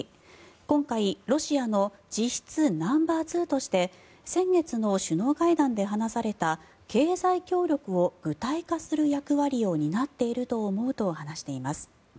今回、ロシアの実質ナンバーツーとして先月の首脳会談で話された経済協力を具体化する役割を担っていると思うと話しています。